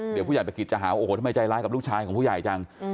เดี๋ยวผู้ใหญ่ประกิจจะหาโอ้โหทำไมใจร้ายกับลูกชายของผู้ใหญ่จัง